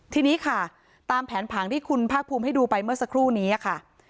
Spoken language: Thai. ทีนี้ค่ะตามแผนผังที่คุณภาคภูมิให้ดูไปเมื่อสักครู่นี้ค่ะ